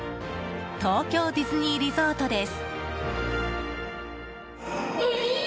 東京ディズニーリゾートです。